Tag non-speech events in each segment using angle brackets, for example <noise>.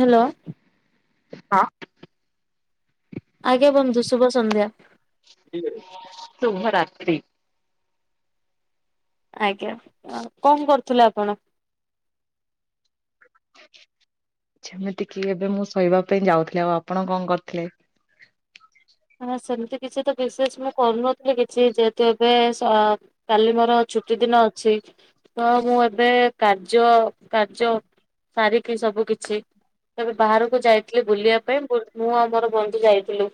Hello? ହଁ। ଆଜ୍ଞା ବନ୍ଧୁ ଶୁଭ ସନ୍ଧ୍ୟା। ଶୁଭ ରାତ୍ରି। ଆଜ୍ଞା ଅ କଁ କରୁଥିଲେ ଆପଣ? ଯେମିତି କିି ଏବେ ମୁଁ ଶୋଇବା ପାଇଁ ଯାଉଥିଲି ଆଉ ଆପଣ କଁ କରୁଥିଲେ? ହ ସେମିତି କିଛି ତ ବିଶେଷ ମୁଁ କରୁନଥିଲି କିଛି ଯେହେତୁ ଏବେ ସ କାଲି ମୋର ଛୁଟି ଦିନ ଅଛି ହ ମୁଁ ଏବେ କାର୍ଯ୍ୟ କାର୍ଯ୍ୟ ସାରିକି ସବୁ କିଛି ତେବେ ବାହାରକୁ ଯାଇଥିଲି ବୁଲିବା ପାଇଁ ବୁ ମୁଁ ଆଉ ମୋର ବନ୍ଧୁ ଯାଇଥିଲୁ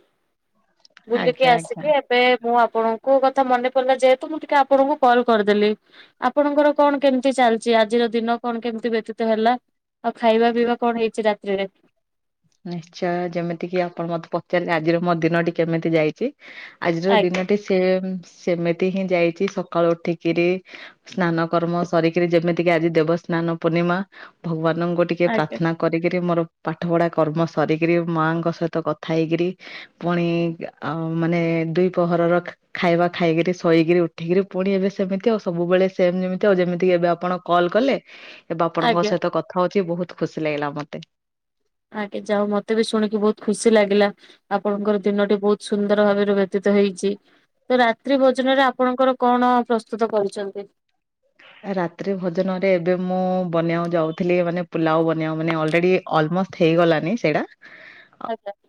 ବୁଲିକି ଆଜ୍ଞା ଆଜ୍ଞା। ଆସିକି ଏବେ ମୁଁ ଆପଣଙ୍କୁ କଥା ମନେ ପଡିଲା ଯେହେତୁ ମୁଁ ଟିକେ ଆପଣଙ୍କୁ କଲ୍ କରିଦେଲି ଆପଣଙ୍କର କଣ କେମିତି ଚାଲିଚି ଆଜିର ଦିନ କଣ କେମିତି ବ୍ୟତୀତ ହେଲା? ଆଉ ଖାଇବା ପିଇବା କଣ ହେଇଚି ରାତିିରେ? ନିଶ୍ଚୟ ଯେମିତି କିି ଆପଣ ମତେ ପଚାରିଲେ ଆଜିର ମୋ ଦିନଟି କେମିତି ଯାଇଚି ଆଜିର ଆଜ୍ଞା ଦିନଟି ସେ ସେମିତି ହିଁ ଯାଇଚି ସକାଳୁ ଉଠିକିରି ସ୍ନାନ କର୍ମ ସରିକିରି ଯେମିତିକି ଆଜି ଦେବସ୍ନାନ ପୂର୍ଣ୍ଣିମା ଭଗବାନଙ୍କୁ ଟିକେ ଆଜ୍ଞା। ପ୍ରାର୍ଥନା କରିକିରି ମୋର ପାଠ ପଢା କର୍ମ ସରିକିରି ମାଆଙ୍କ ସହିତ କଥା ହେଇକିରି ପୁଣି ଆ ମାନେ ଦୁଇ ପହରର ଖାଇବା ଖାଇକିରି ଶୋଇକିରି ଉ ଏଠିକିରେ ପୁଣି ଏବେ ସେମିତି ଆଉ ସବୁବେଳେ ସେମ୍ ଯେମିତି ଆଉ ଯେମିତିକି ଏବେ ଆପଣ କଲ୍ କଲେ ଏବେ ଆପଣଙ୍କ ଆଜ୍ଞା ସହିତ କଥା ହଉଚି ବହୁତ ଖୁସି ଲାଗିଲା ମତେ। ଆଗେ ଯାଉ ମତେ ବି ଶୁଣିକି ବହୁତ ଖୁସି ଲାଗିଲା। ଆପଣଙ୍କର ଦିନଟି ବହୁତ ସୁନ୍ଦର ଭାବରେ ବ୍ୟତୀତ ହେଇଚି। ତ ରାତ୍ରି ଭୋଜନରେ ଆପଣଙ୍କର କଣ ପ୍ରସ୍ତୁତ କରିଚନ୍ତି? ରାତ୍ରି ଭୋଜନରେ ଏବେ ମୁଁ ବନେଇବାକୁ ଯାଉଥିଲି ମାନେ ପୁଲାଉ ବନେଇବା ମାନେ ଅଲରେଡି ଅଲମୋଷ୍ ହେଇଗଲାନି ସେଡା ଆଜ୍ଞା।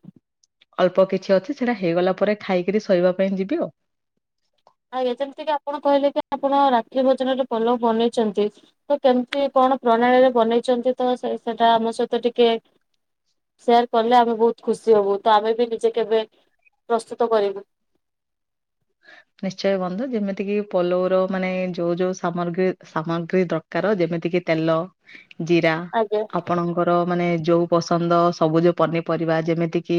ଅଳ୍ପ କିଛି ଅଛି ସେଇଟା ହେଇଗଲା ପରେ ଖାଇକି ଶୋଇବା ପାଇଁ ଯିବି ଆଉ। ଆଜ୍ଞା ଯେମିତି କିି ଆପଣ କହିଲେ କି ଆପଣ ରାତ୍ରି ଭୋଜନରେ ପୋଲଉ ବନେଇଛନ୍ତି ତ କେମତି କଣ ପ୍ରଣାଳୀରେ ବନେଇଛନ୍ତି ତ ସେ ସେଟା ଆମ ସହିତ ଟିକେ ସେୟାର କଲେ ଆମେ ବହୁତ ଖୁସି ହବୁ ତ ଆମେ ବି ନିଜେ କେବେ ପ୍ରସ୍ତୁତ କରିବୁ। ନିଶ୍ଚୟ ବନ୍ଧୁ ଯେମିତି କିି ପୋଲଉର ମାନେ ଯୋଉ ଯୋଉ ସାମଗ୍ରୀ ସାମଗ୍ରୀ ଦର ଯେମିତିକି ତେଲ, ଜିରା ଆଜ୍ଞା ଆପଣ ର ମାନେ ଯୋଉ ପସନ୍ଦ ସବୁଜ ପନିପରିବା ଯେମିତି କିି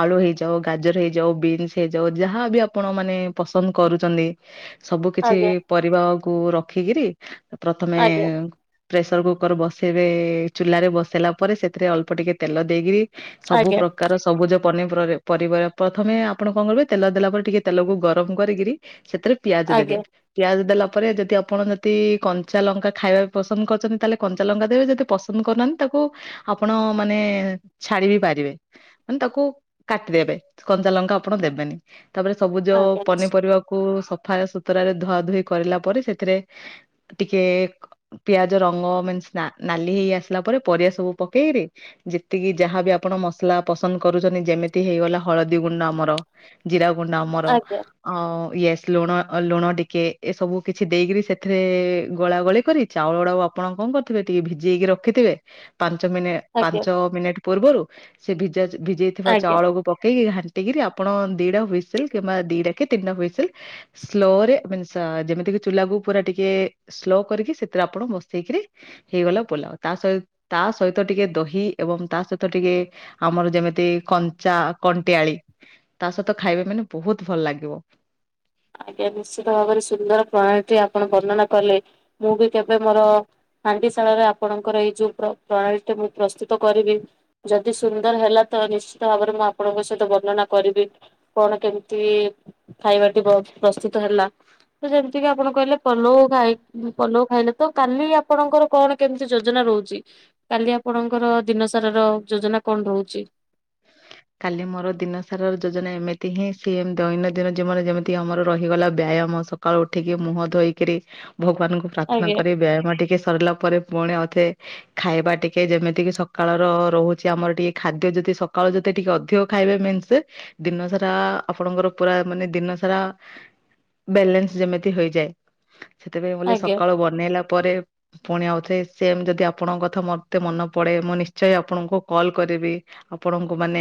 ଆଳୁ ହେଇଯାଉ, ଗାଜର ହେଇଯାଉ, ବିନ୍ସ ହେଇଯାଉ, ଯାହାବ ଆପଣ ମାନେ ପସନ୍ଦ କରୁଛନ୍ତି, ସବୁ କିଛି ଆଜ୍ଞା ପରିବାକୁ ରଖିକିରି ପ୍ରଥମେ ଆଜ୍ଞା ପ୍ରେସର କୁକର ବସେଇବେ ଚୁଲରେ ବସେଇଲା ପରେ ସେଥିରେ ଅଳ୍ପ ଟିକେ ତେଲ ଦେଇକରି ସବୁ ଆଜ୍ଞା ପ୍ରକାର ସବୁଜ ପନି ପରିବ ପ୍ରଥମେ ଆପଣ କଣ କରିବେ ତେଲ ଦେଲା ପରେ ଟିକେ ତେଲକୁ ଗରମ କରିକିରି ସେଥିରେ ପିଆଜ ଦେବେ। ଆଜ୍ଞା ପିଆଜ ଦେଲା ପରେ ଯଦି ଆପଣ ଯଦି କଞ୍ଚା ଲଙ୍କା ଖାଇବା ପସନ୍ଦ କରୁଛନ୍ତି ତାହେଲେ କଞ୍ଚା ଲଙ୍କା ଦେବେ, ଯଦି ପସନ୍ଦ ପସନ୍ଦ କରୁନାହାନ୍ତି ତାକୁ ଆପଣ ମାନେ ଛାଡି ବି ପାରିବେ। ମାନେ ତାକୁ କାଟିଦେବେ କଞ୍ଚା ଲଙ୍କା ଆପଣ ଦେବେନି। ତାପରେ ସବୁଜ ଆଜ୍ଞା ପନିପରିବାକୁ ସଫା ସୁତୁରାରେ ଧୁଆ ଧୁଇ କରିଲା ପରେ ସେଥିରେ ଟିକେ ପିଆଜ ରଙ୍ଗ ମନ୍ ନାଲି ହେଇ ଆସିଲା ପରେ ପରିବା ସବୁ ପକେଇ କିରି ଯେତିକି ଯାହାବି ଆପଣ ମସଲା ପସନ୍ଦ କରୁଛନ୍ତି ଯେମିତି ହେଇଗଲା ହଳଦୀ ଗୁଣ୍ଡ ଆମର ଜିରା ଗୁଣ୍ଡା ଆମର ଆଜ୍ଞା ଆଜ୍ଞା ଅ ୟେସ୍ ଲୁଣ ଲୁଣ ଟିକେ ଏ ସବୁ କିଛି ଦେଇକରି ସେଥିରେ ଗୋଳା ଗୋଳି କରି ଚାଉଳଡାକୁ ଆପଣ କଣ କରିଥିବେ ଟିକେ ଭିଯେଇକି ରଖିଥିବେ ପାଞ୍ଚ ମିନିଟ ଆଜ୍ଞା ପାଞ୍ଚ ମିନିଟ୍ ପୂର୍ବରୁ ସେ ଭିଜା ଭିଜେଇଥିବା ଆଜ୍ଞା। ଚାଉଳକୁ ପକେଇକି ଘା କିରି ଆପଣ ଦିଟା ହୁଇସିଲ୍ କିମ୍ବା ଦିଟା କି ତିନିଟା ହୁଇସିଲ୍ ସ୍ଲୋରେ ମିନ୍ସ୍ ଯେମିତି କି ଚୁଲାକୁ ପୁରା ଟିକେ ସ୍ଲୋ କରିକି ସେଥିରେ ଆପଣ ବସେଇକିରି ହେଇଗଲା ପୋଲାଉ ତା ସହି ତା ସହିତ ଟିକେ ଦହି ଏବଂ ତା ସହିତ ଟିକେ ଆମର ଯେମିତି କଞ୍ଚା କଣ୍ଟିଆଳି ତା ସହିତ ଖାଇବେ ମାନେ ବୋହୁତ୍ ଭଲ ଲାଗିବ। ଆଜ୍ଞା ନିଶ୍ଚିତ ଭାବରେ ସୁନ୍ଦର ପ୍ରଣାଳୀ ଟି ଆପଣ ବର୍ଣ୍ଣନା କଲେ। ମୁଁ ବି କେବେ ମୋର ହାଣ୍ଡିଶାଳ ରେ ଆପଣଙ୍କର ଏଇ ଯୋଉ ପ୍ର ପ୍ରଣାଳୀ ଟି ମୁଁ ପ୍ରସ୍ତୁତ କରିବି ଯଦି ସୁନ୍ଦର ହେଲା ତ ନିଶ୍ଚିତ ଭାବରେ ମୁଁ ଆପଣଙ୍କ ସହିତ ବର୍ଣ୍ଣନା କରିବି। କଣ କେମିତି ଖାଇବା ଟି ବହୁତ୍ ପ୍ରସ୍ତୁତ ହେଲା। ତ ଯେମିତି କିି ଆପଣ କହିଲେ ପଲଉ ଖାଇ ପଲଉ ଖାଇଲେ ତ କାଲି ଆପଣଙ୍କର କଣ କେମିତି ଯୋଜନା ରହୁଛି? କାଲି ଆପଣଙ୍କର ଦିନସାର ର ଯୋଜନା କଣ ରହୁଛି? <inaudible> କାଲି ମୋର ଦିନସାରାର ଯୋଜନା ଏମିତି ହିଁ ସିଏ ଦୈନନ୍ଦିନ ଜୀବନରେ ଯେମିତି ଆମର ରହିଗଲା ବ୍ୟାୟାମ ଶକ୍ ସକାଳୁ ଉଠିକି ମୁହଁ ଧୋଇକରି ଭଗବାନଙ୍କୁ ପ୍ରାର୍ଥନା ଆଜ୍ଞା କରି ବ୍ୟାୟାମ ଟିକେ ସରିଲା ପରେ ପୁଣି ଅଛେ ଖାଇବା ଟିକେ ଯେମିତି କିି ସକାଳ ରହୁଛି ଆମର ଟିକେ ଖାଦ୍ୟ ଯଦି ସ କାଳ ଯେତେ ଟିକେ ଅଧିକ ଖାଇବେ ମେନ୍ସ ଦିନ ସାରା ଆପଣଙ୍କର ପୁରା ମାନେ ଦିନ ସାରା ବେଲେନ୍ସ ଯେମିତି ହେଇଯାଏ ସେଥିପାଇଁ ବୋଲେ ଆଜ୍ଞା। ସକାଳୁ ବନେଇଲା ପରେ ପୁଣି ଆଉଥରେ ସେମ୍ ଯଦି ଆପଣଙ୍କ କଥା ମୋତେ ମନ ପଡେ ମୁଁ ନିଶ୍ଚୟ ଆପଣଙ୍କୁ କଲ୍ କରିବି। ଆଉ ଆପଣଙ୍କୁ ମାନେ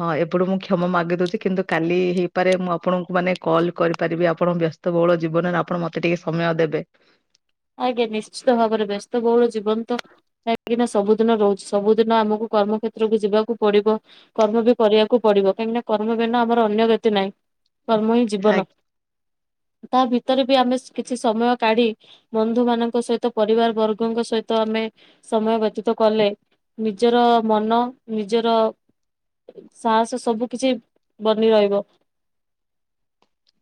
ହଁ ଏପଟୁ ମୁଁ କ୍ଷମା ମାଗି ଦଉଛି କିନ୍ତୁ କାଲି ହେଇପାରେ ମୁଁ ଆପଣଙ୍କୁ ମାନେ କଲ୍ କରିପାରିବି ଆପଣ ବ୍ୟସ୍ତ ତ ବହୁଳ ଜୀବନରେ ଆପଣ ମତେ ଟିକେ ସମୟ ଦେବେ। ଆଜ୍ଞା ନିଶ୍ଚିତ ଭାବରେ ବ୍ୟସ୍ତ ବହୁଳ ଜୀବନ ତ କାହିଁକି ନା ସବୁଦିନ ରହୁଛି ସବୁଦିନ ଆମକୁ କର୍ମ କ୍ଷେତ୍ରକୁୁ ଯିବାକୁ ପଡିବ। କର୍ମ ବି କରିବାକୁ ପଡିବ କାହିଁକି ନା କର୍ମ ବି ନା ଆମର ଅନ୍ୟ ଗତି ନାହିଁ କର୍ମ ହିଁ ଆ ଜୀବନ ତା ଭିତରେ ବି ଆମେ ଶ୍ କିଛି ସମୟ କାଢି ବନ୍ଧୁ ମାନଙ୍କ ସହିତ ପରିବାର ବର୍ଗଙ୍କ ସହିତ ଆମେ ସମୟ ବ୍ୟତୀତ କଲେ। ନିଜର ମନ, ନିଜର ସାହସ ସବୁ କିଛି ବନି ରହିବ।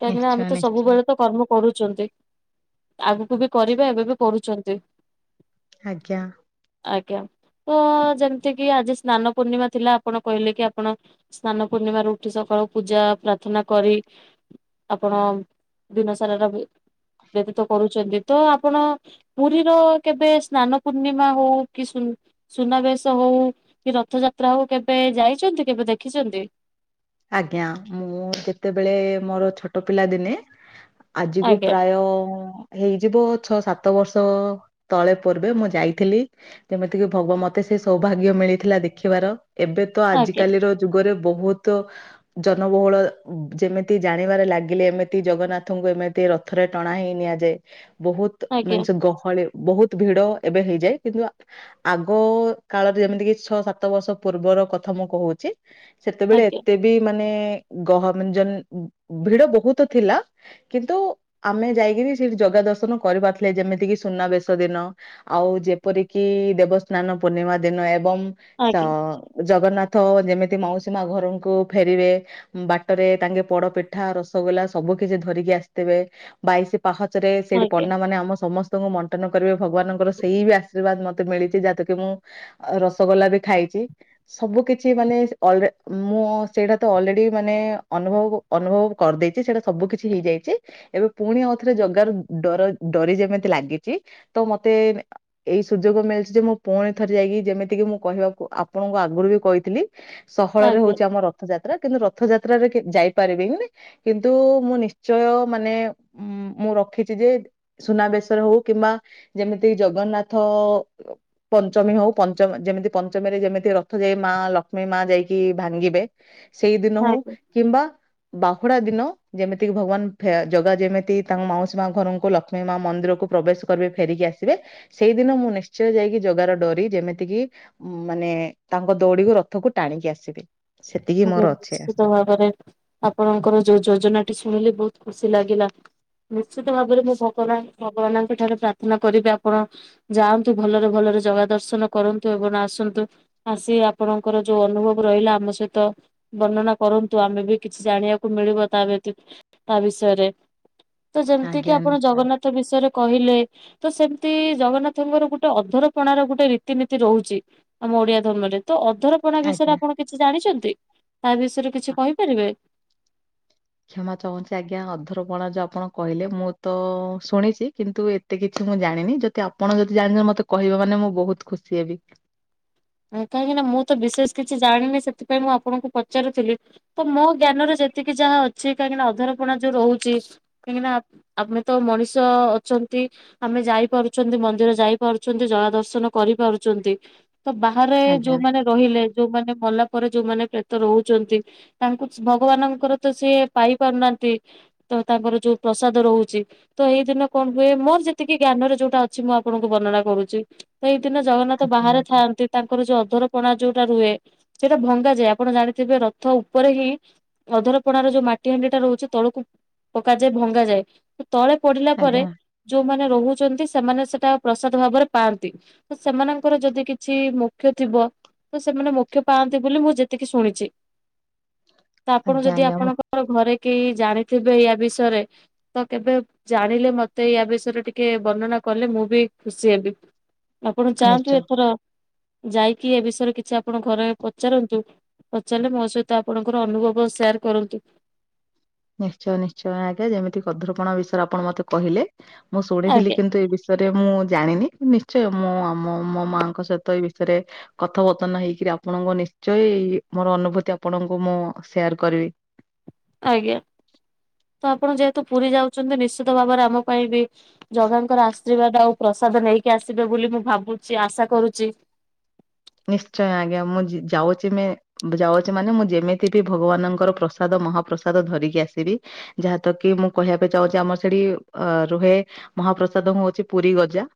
କାହିଁକିନା ଆମେ ନିଶ୍ଚୟ ତ ନିଶ୍ଚୟ ସବୁବେଳେ ତ କର୍ମ କରୁଛନ୍ତି ଆଗକୁ ବି କରିବା ଏବେ ବି କରୁଛନ୍ତି। ଆଜ୍ଞା। ଆଜ୍ଞା ତ ଯେମିତି କିି ଆଜି ସ୍ନାନ ପୂର୍ଣ୍ଣିମା ଥିଲା ଆପଣ କହିଲେ କି ଆପଣ ସ୍ନାନ ପୂର୍ଣ୍ଣିମା ରୁ ଉଠି ସକାଳୁ ପୂଜା, ପ୍ରାର୍ଥନା କରି ଆପଣ ଦିନ ସାରାର ବ୍ୟତୀତ କରୁଛନ୍ତି। ତ ଆପଣ ପୁରୀର କେବେ ସ୍ନାନ ପୂର୍ଣ୍ଣିମା ହଉ କି ସୁନ୍ ସୁନାବେଶ ହଉ କି ରଥଯାତ୍ରା ହଉ କେବେ ଯାଇଛନ୍ତି କେବେ ଦେଖିଛନ୍ତି? ଆଜ୍ଞା ମୁଁ ଯେତେବେଳେ ମୋର ଛୋଟ ପିଲା ଦିନେ ଆଜିକୁ ଆଜ୍ଞା ପ୍ରାୟ ହେଇଯିବ ଛଅ ସାତ ବର୍ଷ ତଳେ ପୂର୍ବେ ମୁଁ ଯାଇଥିଲି। ଯେମିତି କିି ଭଗବାନ ମତେ ସେ ସୌଭାଗ୍ୟ ମିଳିଥିଲା ଦେଖିବାର ଏବେ ତ ଆଜ୍ଞା ଆଜିକାଲିର ଯୁଗରେ ବହୁତ ଜନବହୁଳ ଯେମିତି ଜାଣିବାରେ ଲାଗିଲେ ଏମିତି ଜଗନ୍ନାଥଙ୍କୁ ଏମିତି ରଥରେ ଟଣା ହେଇ ନିଆଯାଏ। ବହୁତ ଆଜ୍ଞା ମାନେ ସେ ଗହଳି ବହୁତ ଭିଡ ଏବେ ହେଇଯାଏ କିନ୍ତୁ ଆ ଆଗ କାଳରେ ଯେମିତି କିି ଛଅ ସାତ ବର୍ଷ ପୂର୍ବର କଥା ମୁଁ କହୁଛି। ସେତେବେଳେ ଆଜ୍ଞା ଏତେ ବି ମାନେ ଗହମ ଜ ଭିଡ ବହୁତ ଥିଲା। କିନ୍ତୁ ଆମେ ଯାଇକିନି ସେଠି ଜଗା ଦର୍ଶନ କରିପାରୁଥିଲେ, ଯେମିତିକି ସୁନାବେଶ ଦିନ। ଆଉ ଯେପରିକି ଦେବସ୍ନାନ ପୂର୍ଣ୍ଣିମା ଦିନ ଏବଂ ତ ଆଜ୍ଞା ଜଗନ୍ନାଥ ଯେମିତି ମାଉସୀ ମା ଘରଙ୍କୁ ଫେରିବେ। ବାଟରେ ତାଙ୍କେ ପୋଡ ପିଠା ରସଗୋଲା ସବୁ କିଛି ଧରିକି ଆସିଥିବେ ବାଇଶି ପାହାଚରେ ସେଠି ଆଜ୍ଞା ପଣ୍ଡା ମାନେ ଆମ ସମସ୍ତ ସ୍ତଙ୍କୁ ବଣ୍ଟନ କରିବେ ଭଗବାନଙ୍କର ସେଇ ବି ଆଶୀର୍ବାଦ ମତେ ମିଳିଛି ଯାହାକୁ କି ମୁଁ ଅ ରସଗୋଲା ବି ଖାଇଛି ସବୁ କିଛି ମାନେ ସେ ଅଲେ ଉଁ ମୁଁ ସେଇଟା ତ ଅଲରେଡି ମାନେ ଅନୁଭବକୁ ଅନୁଭବ କରିଦେଇଛି ସେଇଟା ସବୁ କିଛି ହେଇଯାଇଛି। ଏବେ ପୁଣି ଆଉଥରେ ଜଗାର ଡର ଡରି ଯେମିତି ଲାଗିଛି ତ ମତେ ଏଇ ସୁଯୋଗ ମିଳିଛି ଯେ ମୁଁ ପୁଣି ଥରେ ଯାଇକି ଯେମିତିକି ମୁଁ କହିବାକୁ ଆପଣଙ୍କୁ ଆଗରୁ ବି କହିଥିଲି। ସହରରେ ଆଜ୍ଞା ହଉଛି ଆମର ରଥଯାତ୍ରା କିନ୍ତୁ ରଥଯାତ୍ରାରେ କେଇ ଯାଇପାରିବେନି। କିନ୍ତୁ ମୁଁ ନିଶ୍ଚୟ ମାନେ ଉଁ ମୁଁ ରଖିଛି ଯେ ସୁନାବେଶର ହଉ କିମ୍ବା ଯେମିତି ଜଗନ୍ନାଥ ପଞ୍ଚମୀ ହଉ ପଞ୍ଚମି ଯେମିତି ପଞ୍ଚମୀରେ ଯେମିତି ରଥ ଯାଇ ମା ଲକ୍ଷ୍ମୀ ମା ଯାଇକି ଭାଙ୍ଗିବେ ସେଇ ଦିନ ହଉ ଆଜ୍ଞା କିମ୍ବା ବାହୁଡା ଦିନ ଯେମିତିକି ଭଗବାନ ଫେ ଜଗା ଯେମିତି ତାଙ୍କ ମାଉସୀ ମା ଘରଙ୍କୁ ଲକ୍ଷ୍ମୀ ମା ମନ୍ଦିରକୁ ପ୍ରବେଶ କରିବେ ଫେରିକି ଆସିବେ ସେଇଦିନ ମୁଁ ନିଶ୍ଚୟ ଯାଇକି ଜଗାରେ ଡୋରି ଯେମିତିକି ଉ ମାନେ ତାଙ୍କ ଦଉଡିକୁ ରଥକୁ ଟାଣିକି ଆସିବି। ଆଜ୍ଞା ନିଶ୍ଚିତ ଭାବରେ ଆପଣଙ୍କର ଯୋଉ ଯୋଜନା ଟି ଶୁଣିଲି ବହୁତ ଖୁସି ଲାଗିଲା। ନିଶ୍ଚିତ ଭାବରେ ମୁଁ ଭଗାନ ଭଗବାନଙ୍କ ଠାରେ ପ୍ରାର୍ଥନା କରିବି ଆପଣ। ଯାଆନ୍ତୁ ଭଲରେ ଭଲରେ ଜାଗା ଦର୍ଶନ କରନ୍ତୁ ଏବଂ ଆସନ୍ତୁ ଆସି ଆପଣଙ୍କର ଯୋଉ ଅନୁଭବ ରହିଲା ଆମ ସହିତ ତ ବର୍ଣ୍ଣନା କରନ୍ତୁ ଆମେ ବି କିଛି ଜାଣିବାକୁ ମିଳିବ ତା ବ୍ୟତ ତା ବିଷୟରେ ତ ଯେମିତି କିି ଆଜ୍ଞା ଆପଣ ନିଶ୍ଚୟ। ଜଗନ୍ନାଥ ବିଷୟରେ କହିଲେ ତ ସେମିତି ଜଗନ୍ନାଥଙ୍କର ଗୋଟେ ଅନ୍ଧରପଣାର ଗୋଟେ ରୀତିନୀତି ରହୁଛି ଆମ ଓଡିଆ ଧର୍ମରେ ତ ଅଧରପଣା ବିଷୟରେ ଆଜ୍ଞା। ଆପଣ କିଛି ଜାଣିଛନ୍ତି ତା ବିଷୟରେ କିଛି କହିପାରିବେ କ୍ଷମା ଚାହୁଁଛି ଆଜ୍ଞା ଅଧରପଣା ଯଉ ଆପଣ କହିଲେ ମୁଁ ତ ଶୁଣିଛି କିନ୍ତୁ ଏତେ କିଛି ମୁଁ ଜାଣିନି ଯଦି ଆପଣ ଯଦି ଜାଣିଛନ୍ତି ମତେ କହିବେ ମାନେ ମୁଁ ବହୁତ ଖୁସି ହେବି କାହିଁକି ନା ମୁଁ ତ ବିଶେଷ କିଛି ଜାଣିନି ସେଥିପାଇଁ ମୁଁ ଆପଣଙ୍କୁ ପଚାରୁଥିଲି ତ ମୋ ଜ୍ଞାନରେ ଯେତିକି ଯାହା ଅଛି କାହିଁକିନା ଅଧର ପଣା ଯୋଉ ରହୁଛି କାହିଁକି ନା ଆମେ ତ ମଣିଷ ଅଛନ୍ତି ଆମେ ଯାଇପାରୁଛନ୍ତି ମନ୍ଦିର ଯାଇପାରୁଛନ୍ତି ଜଗା ଦର୍ଶନ କରିପାରୁଛନ୍ତି ତ ବାହାରେ ଆଜ୍ଞା ଯୋଉମାନେ ରହିଲେ ଯୋଉମାନେ ମଲା ପରେ ଯୋଉମାନେ ପ୍ରେତ ରହୁଛନ୍ତି ତାଙ୍କୁ ଭଗବାନଙ୍କର ତ ସିଏ ପାଇ ପାରୁନାହାନ୍ତି ତ ତାଙ୍କର ଯୋଉ ପ୍ରସାଦ ରହୁଛି ତ ଏଇ ଦିନ କଣ ହୁଏ ମୋର ଯେତିକି ଜ୍ଞାନରେ ଯୋଉଟା ଅଛି ମୁଁ ଆପଣଙ୍କୁ ବର୍ଣନା କରୁଛି ତ ଏଇ ଦିନ ଜଗନ୍ନାଥ ଆଜ୍ଞା ବାହାରେ ଥାଆନ୍ତି ତାଙ୍କର ଯୋଉ ଅଧର ପଣା ଯୋଉଟା ରୁହେ ସେଇଟା ଭଙ୍ଗାଯାଏ ଆପଣ ଜାଣିଥିବେ ରଥ ଉପରେ ହିଁ ଅଧର ପଣାର ଯୋଉ ମାଟି ହାଣ୍ଡି ଟା ରହୁଛି ତଳକୁ ପକାଯାଏ ଭଙ୍ଗାଯାଏ ତଳେ ପଡିଲା ପରେ ଆଜ୍ଞା ଯୋଉମାନେ ରହୁଛନ୍ତି ସେମାନେ ସେଟା ପ୍ରସାଦ ଭାବରେ ପାଆନ୍ତି ତ ସେମାନଙ୍କର ଯଦି କି କିଛି ମୋକ୍ଷ ଥିବ ତ ସେମାନେ ମୋକ୍ଷ ପାଆନ୍ତି ବୋଲି ମୁଁ ଯେତିକି ଶୁଣିଛି ତ ଆପଣ ଆଜ୍ଞା ଯଦି ଆଜ୍ଞା ମୁଁ ଆପଣଙ୍କର ଘରେ କେହି ଜାଣିଥିବେ ୟା ବିଷୟରେ ତ କେବେ ଜାଣିଲେ ମତେ ଇଆ ବିଷୟରେ ଟିକେ ବର୍ଣ୍ଣନା କଲେ ମୁଁ ବି ଖୁସି ହେବି ଆପଣ ଯାଆନ୍ତୁ ନିଶ୍ଚୟ। ଏଥର ଯାଇକି ଏ ବିଷୟରେ କିଛି ଆପଣ ଘରେ ପଚାରନ୍ତୁ ପଚାରିଲେ ମୋ ସହିତ ଆପଣଙ୍କର ଅନୁଭବ ସେୟାର କରନ୍ତୁ। ନିଶ୍ଚୟ ନିଶ୍ଚୟ ଆଜ୍ଞା ଯେମିତି କଧୁରପଣ ବିଷୟରେ ଆପଣ ମତେ କହିଲେ ମୁଁ ଶୁଣିଥିଲି ଆଜ୍ଞା କିନ୍ତୁ ଏ ବିଷୟରେ ବିଷୟରେ ମୁଁ ଜାଣିନି ନିଶ୍ଚୟ ମୁଁ ମୋ ମାଙ୍କ ସହିତ ଏ ବିଷୟରେ କଥାବର୍ତ୍ତନା ହେଇକରି ଆପଣଙ୍କ ନିଶ୍ଚୟ ମୋର ଅନୁଭୂତି ଆପଣଙ୍କୁ ମୁଁ ସେୟାର୍ କରିବି ଆଜ୍ଞା <inaudible> ତ ଆପଣ ଯେହେତୁ ପୁରୀ ଯାଉଛନ୍ତି ନିଶ୍ଚିତ ଭାବରେ ଆମ ପାଇଁ ବି ଜଗାଙ୍କର ଆଶୀର୍ବାଦ ଆଉ ପ୍ରସାଦ ନେଇକି ଆସିବେ ବୋଲି ମୁଁ ଭାବୁଛି ଆଶା କରୁଛି ନିଶ୍ଚୟ ଆଜ୍ଞା ମୁଁ ଯାଉଛି ମୁ ଯାଉଛି ମାନେ ମୁଁ ଯେମିତି ବି ଭଗବାନଙ୍କର ପ୍ରସାଦ ମହାପ୍ରସାଦ ଧରିକି ଆସିବି। ଯାହା ତ କି ମୁଁ କହିବା ପାଇଁ ଚାହୁଁଛି ଆମର ସେଠି ଅ ରୁହେ ମହାପ୍ରସାଦଙ୍କୁ ହଉଛି ପୁରୀ ଗଜା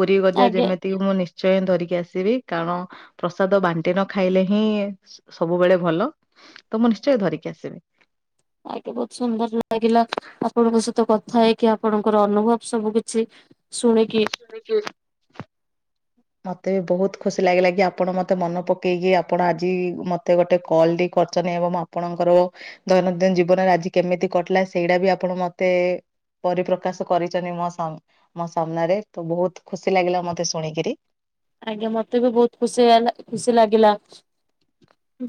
ପୁରୀ ଗଜା ଆଜ୍ଞା ଯେମିତିକି ମୁଁ ନିଶ୍ଚୟ ହିଁ ଧରିକି ଆସିବି କାରଣ ପ୍ରସାଦ ବାଣ୍ଟି ନ ଖାଇଲେ ହିଁ ସବୁବେଳେ ଭଲ ତ ମୁଁ ନିଶ୍ଚୟ ଧରିକି ଆସିବି ଆଜ୍ଞା ବହୁତ ସୁନ୍ଦର ଲାଗିଲା ଆପଣଙ୍କ ସହିତ କଥା ହେଇକି ଆପଣଙ୍କର ଅନୁଭବ ସବୁ କିଛି ଶୁଣିକି ସେ ମତେ ବି ବହୁତ ଖୁସି ଲାଗିଲା କି ଆପଣ ମତେ ମନ ପକେଇକି ଆପଣ ଆଜି ମ ମତେ ଗୋଟେ କଲଟି କରିଛନ୍ତି ଏବଂ ଆପଣଙ୍କର ଦୈନନ୍ଦିନ ଜୀବନରେ ଆଜି କେମିତି କଟିଲା ସେଇଟା ବି ଆପଣ ମତେ ପରିପ୍ରକାଶ କରିଛନ୍ତି ମୋ ସା ମୋ ସାମ୍ନାରେ ତ ବହୁତ ଖୁସି ଲାଗିଲା ମତେ ଶୁଣିକିରି। ଆଜ୍ଞା ମତେ ବି ବହୁତ ଖୁସି ଲାଗଲା ଖୁସି ଲାଗିଲା।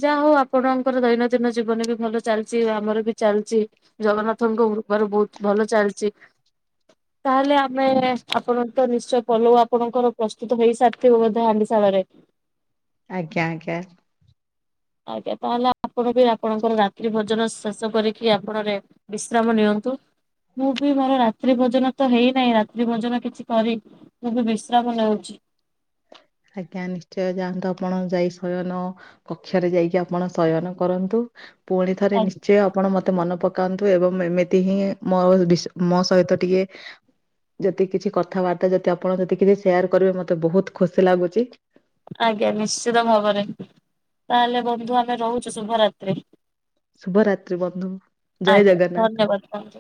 ଯାହା ହଉ ଆପଣଙ୍କର ଦୈନନ୍ଦିନ ଜୀବନ ବି ଭଲ ଚାଲିଛି ଆମର ବି ଚାଲିଛି। ଜଗନ୍ନାଥଙ୍କ କୃପାରୁ ବହୁତ ଭଲ ଚାଲିଛି। ତାହେଲେ ଆମେ ଆପଣତ ନିଶ୍ଚୟ ପଲଉ ଆପଣଙ୍କର ପ୍ରସ୍ତୁତ ହେଇସାରି ଥିବ ବୋଧେ ହାଣ୍ଡି ଶାଳରେ। ଆଜ୍ଞା ଆଜ୍ଞା। ଆଜ୍ଞା ତାହେଲେ ଆପଣ ବି ଆପଣଙ୍କର ରାତ୍ରି ଭୋଜନ ଶେଷ କରିକି ଆପଣ ରେ ବିଶ୍ରାମ ନିଅନ୍ତୁ। ମୁଁ ବି ମୋର ରାତ୍ରି ଭୋଜନ ତ ହେଇନାହିଁ ରାତ୍ରି ଭୋଜନ କିଛି କରି ମୁଁ ବି ବିଶ୍ରାମ ନେଉଛି। ଆଜ୍ଞା ନିଶ୍ଚୟ ଯାଆନ୍ତୁ ଆପଣ ଯାଇ ସୟନ। କକ୍ଷରେ ଯାଇକି ଆପଣ ଶୟନ କରନ୍ତୁ ପୁଣି ଥରେ ଆଜ୍ଞା ନିଶ୍ଚୟ। ଆପଣ ମତେ ମନେ ପକାନ୍ତୁ ଏବଂ ଏମିତି ହିଁ ମୋ ମୋ ବିଷମୋ ସହିତ ଟିକେ। ଯେତିକି କିଛି କଥାବାର୍ତ୍ତା ଯଦି ଆପଣ ଯେତିକି ଯଦି ସେୟାର କରିବେ ମତେ ବହୁତ ଖୁସି ଲାଗୁଛି। ଆଜ୍ଞା ନିଶ୍ଚିତ ଭାବରେ ତାହେଲେ ବନ୍ଧୁ ଆମେ ରହୁଛୁ ଶୁଭରାତ୍ରି। ଶୁଭ ରାତ୍ରି ବନ୍ଧୁ। ଜୟ ଆଜ୍ଞା ଜଗନ୍ନାଥ। ଧନ୍ୟବାଦ ବନ୍ଧୁ।